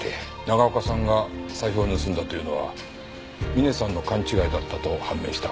長岡さんが財布を盗んだというのはミネさんの勘違いだったと判明した。